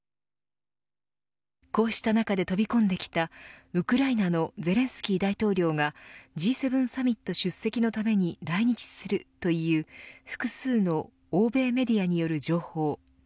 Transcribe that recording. こうした中で飛び込んできたウクライナのゼレンスキー大統領がＧ７サミット出席のために来日するという複数の欧米メディアによる情報。